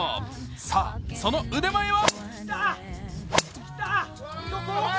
さあ、その腕前は？